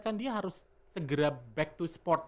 kan dia harus segera back to sport